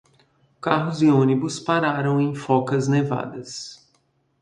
Carros e ônibus pararam em focas nevadas.